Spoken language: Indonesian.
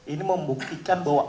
ini membuktikan bahwa